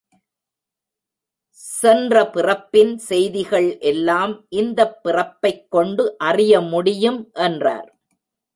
சென்ற பிறப்பின் செய்திகள் எல்லாம் இந்தப் பிறப்பைக் கொண்டு அறிய முடியும் என்றார்.